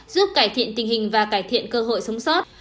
giúp cải thiện tình hình và cải thiện cơ hội sống sót